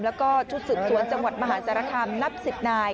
แล้วก็ชุดสิดสวนจังหวัดมหาศาลคาร์มนับสิทธิ์นาย